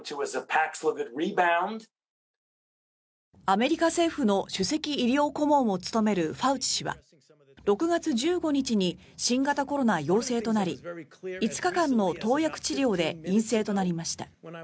アメリカ政府の首席医療顧問を務めるファウチ氏は６月１５日に新型コロナ陽性となり５日間の投薬治療で陰性となりました。